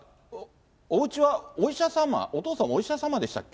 おうちはお医者様、お父様、お医者様でしたっけ。